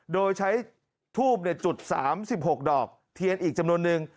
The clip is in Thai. โดยใช้ทูบเนี้ยจุดสามสิบหกดอกเทียนอีกจำนวนนึง